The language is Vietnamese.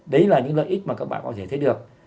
đấy là những lợi ích mà các bạn có thể thấy được